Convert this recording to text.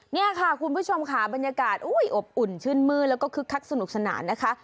นี่ค่ะคุณผู้ชมค่ะบรรยากาศอบอุ่นชื่นมื้นแล้วก็คึกคักสนุกสนานนะคะ